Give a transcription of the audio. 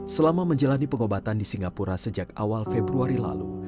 selama menjalani pengobatan di singapura sejak awal februari lalu